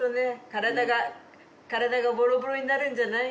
体が体がボロボロになるんじゃない？